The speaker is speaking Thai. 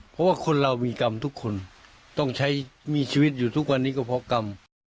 เพราะว่าคนเรามีกรรมทุกคนต้องใช้มีชีวิตอยู่ทุกวันนี้ก็เพราะกรรม